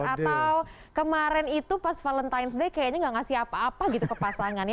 atau kemarin itu pas valentine's day kayaknya gak ngasih apa apa gitu ke pasangan ya